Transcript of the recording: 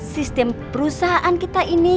sistem perusahaan kita ini